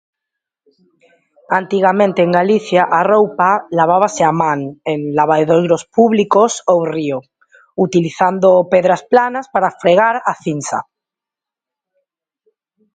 Antigamente, en Galicia, a roupa lavábase a man en lavadoiros públicos ou río, utilizando pedras planas para fregar a cincha.